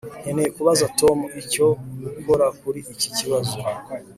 Nkeneye kubaza Tom icyo gukora kuri iki kibazo